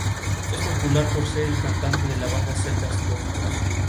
Es popular por ser el cantante de la banda Celtas Cortos.